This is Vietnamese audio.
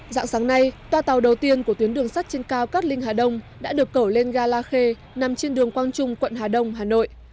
dạng sáng nay toa tàu đầu tiên của tuyến đường sắt trên cao cát linh hà đông đã được cẩu lên ga la khê nằm trên đường quang trung quận hà đông hà nội